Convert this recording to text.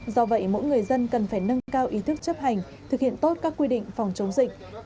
do vậy mỗi người dân cần phải nâng cao ý thức chấp hành thực hiện tốt các quy định phòng chống dịch